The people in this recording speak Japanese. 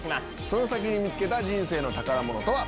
その先に見つけた人生の宝物とは？